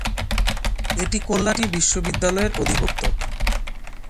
এটি কল্যাণী বিশ্ববিদ্যালয়ের অধিভুক্ত।